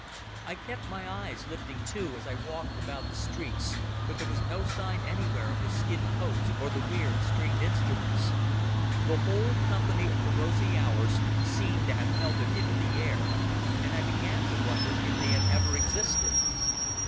I kept my eyes lifting, too, as I walked about the streets, but there was no sign anywhere of the skin coats or the weird stringed instruments. The whole Company of the Rosy Hours seemed to have melted into the air, and I began to wonder if they had ever existed.